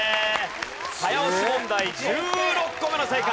早押し問題１６個目の正解。